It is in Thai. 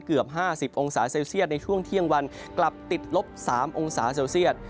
เกือบ๕๐องศาเซลเซียตในช่วงเที่ยงวันกลับติดลบ๓องศาเซลเซียต